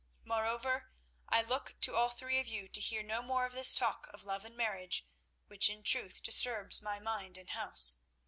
Moreover, I look to all three of you to hear no more of this talk of love and marriage, which, in truth, disturbs my mind and house.